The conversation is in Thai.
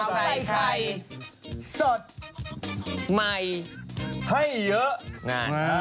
ให้เยอะ